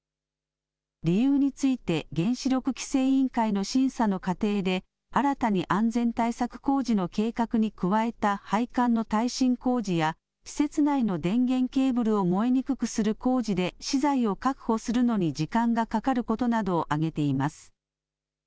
理由について、原子力規制委員会の審査の過程で、新たに安全対策工事の計画に加えた配管の耐震工事や、施設内の電源ケーブルを燃えにくくする工事で資材を確保するのに時間がかかることなどを挙げています。